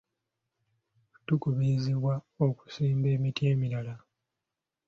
Tukubirizibwa okusimba emiti emirala.